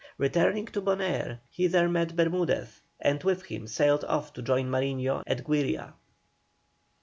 Returning to Bonaire he there met Bermudez, and with him sailed off to join Mariño at Güiria.